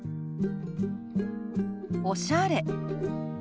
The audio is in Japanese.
「おしゃれ」。